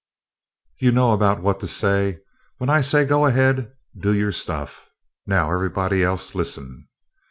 You know about what to say. When I say 'go ahead' do your stuff. Now, everybody else, listen.